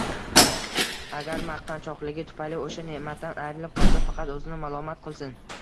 Agar maqtanchoqligi tufayli o‘sha ne’matdan ayrilib qolsa, faqat o‘zini malomat qilsin.